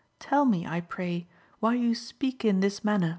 Tell me, I pray, why you speak in this manner